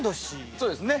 そうですね。